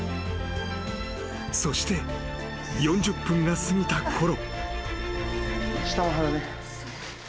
［そして４０分が過ぎたころ］